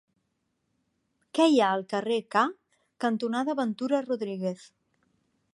Què hi ha al carrer K cantonada Ventura Rodríguez?